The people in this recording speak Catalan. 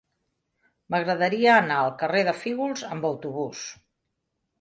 M'agradaria anar al carrer de Fígols amb autobús.